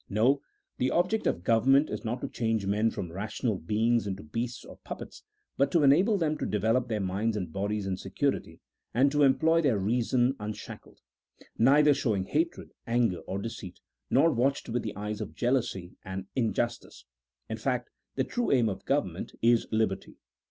No, the object of government is not to change men from rational beings into beasts or puppets, but to enable them to develope their minds and bodies in security, and to employ their reason unshackled ; neither showing hatred, anger, or deceit, nor watched with the eyes of jealousy and injustice. In fact, the true aim of government is liberty.